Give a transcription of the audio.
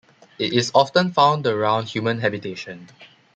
It is often found around human habitation.